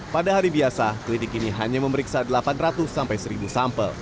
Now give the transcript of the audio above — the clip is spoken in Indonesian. pada hari biasa klinik ini hanya memeriksa delapan ratus sampai seribu sampel